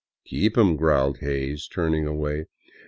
Keep 'em," growled Hays, turning away.